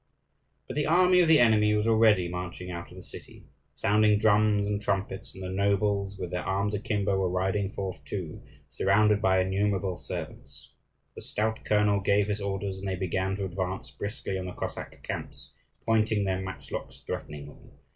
But the army of the enemy was already marching out of the city, sounding drums and trumpets; and the nobles, with their arms akimbo, were riding forth too, surrounded by innumerable servants. The stout colonel gave his orders, and they began to advance briskly on the Cossack camps, pointing their matchlocks threateningly.